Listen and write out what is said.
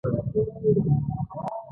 دوی ځمکې په کوچنیو برخو وویشلې.